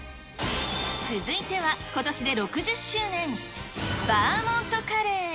続いては、ことしで６０周年、バーモントカレー。